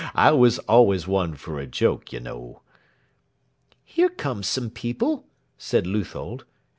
I was always one for a joke, yer know." "Here come some people," said Leuthold.